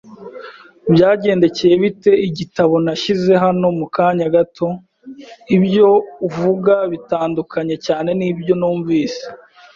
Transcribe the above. Byagendekeye bite igitabo nashyize hano mu kanya gato? Ibyo uvuga bitandukanye cyane nibyo numvise.